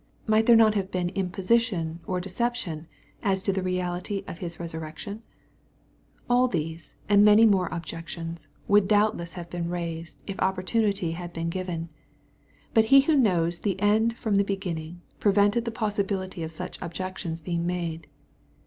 Might there not have been imposition or deception, as to the reality of His resurrection ?— ^AU these, and many more objections, would doubtless have been raised, if opportunity had been given. But He who knows the end from the beginning, prevented the possi bility of such objections being made.